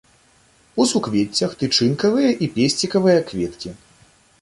У суквеццях тычынкавыя і песцікавыя кветкі.